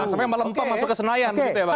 sampai malam masuk ke senayan gitu ya bang